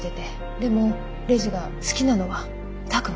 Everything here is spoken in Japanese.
でもレイジが好きなのは拓真。